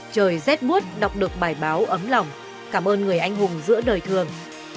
trời rét buốt đọc được bài báo ấm lòng cảm ơn người anh hùng giữa đời thường